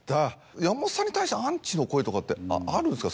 山本さんに対してアンチの声ってあるんですか？